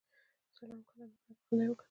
سلام کلام یې وکړ او په خندا یې وکتل.